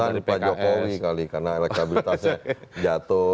yang kesulitan pak jokowi kali karena elektabilitasnya jatuh